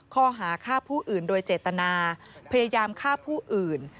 ข้อหาฆ่าผู้อื่นโดยเจตนาพยายามฆ่าผู้อื่น